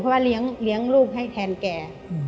เพราะว่าเลี้ยงลูกให้แทนแก